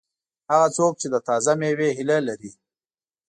هغه څوک چې د تازه مېوې هیله لري.